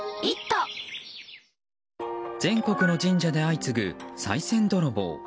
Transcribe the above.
全国の神社で相次ぐさい銭泥棒。